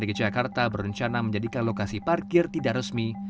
dki jakarta berencana menjadikan lokasi parkir tidak resmi